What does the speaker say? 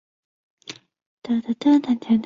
殿试登进士第三甲第四名。